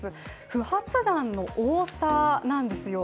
不発弾の多さなんですよ。